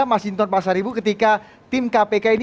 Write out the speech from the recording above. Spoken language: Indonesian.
mas hinton pasaribu ketika tim kpk ini